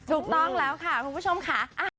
ถูกต้องแล้วค่ะคุณผู้ชมค่ะ